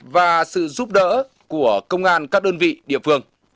và sự giúp đỡ của công an các đơn vị địa phương